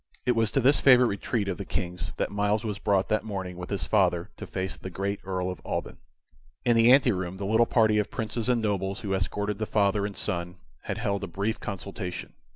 It was to this favorite retreat of the King's that Myles was brought that morning with his father to face the great Earl of Alban. In the anteroom the little party of Princes and nobles who escorted the father and son had held a brief consultation.